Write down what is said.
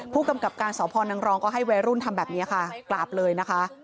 ผู้กำกับการสพนังรองก็ให้วัยรุ่นทำแบบนี้ค่ะกราบเลยนะคะ